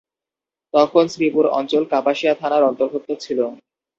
তখন শ্রীপুর অঞ্চল কাপাসিয়া থানার অর্ন্তভুক্ত ছিল।